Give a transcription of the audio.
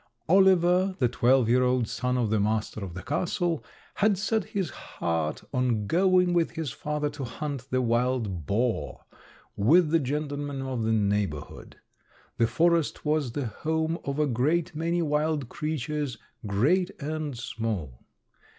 Oliver, the twelve year old son of the master of the castle, had set his heart on going with his father to hunt the wild boar with the gentlemen of the neighborhood. The forest was the home of a great many wild creatures, great and small.